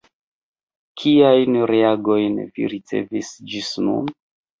Kiajn reagojn vi ricevis ĝis nun?